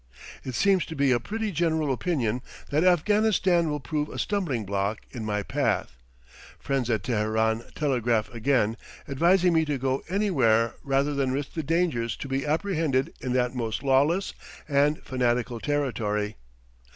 It seems to be a pretty general opinion that Afghanistan will prove a stumbling block in my path; friends at Teheran telegraph again, advising me to go anywhere rather than risk the dangers to be apprehended in that most lawless and fanatical territory.